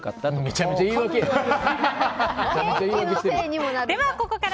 めちゃめちゃ言い訳やん！